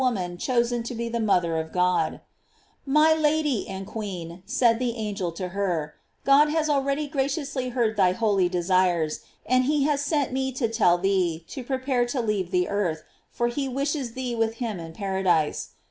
485 chosen to be the mother of God: My Lady and Queen, said the angel to her, God has already graciously heard thy holy desires, and he has sent me to tell thee to prepare to leave the earth, for he wishes thee with him in paradise.